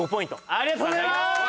ありがとうございます！